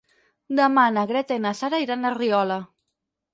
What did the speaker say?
Demà na Greta i na Sara iran a Riola.